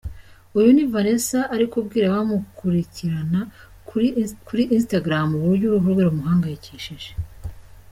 Uyu ni Vanessa ari kubwira abamukurikirana kuri instagram uburyo uruhu rwe rumuhangayikishije.